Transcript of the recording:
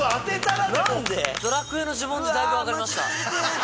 『ドラクエ』の呪文でだいぶ分かりました。